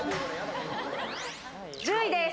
１０位です。